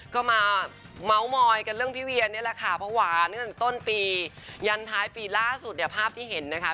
ก็มาเม้ามอยกันเรื่องพี่เวียนี่แหละค่ะเพราะว่าตั้งแต่ต้นปียันท้ายปีล่าสุดเนี่ยภาพที่เห็นนะคะ